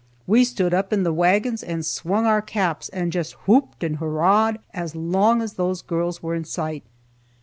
We stood up in the wagons, and swung our caps, and just whooped and hurrahed as long as those girls were in sight.